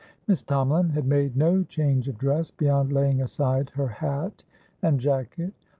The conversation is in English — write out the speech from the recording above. Miss Tomalin had made no change of dress, beyond laying aside her hat and jacket.